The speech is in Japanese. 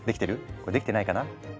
これできてないかな？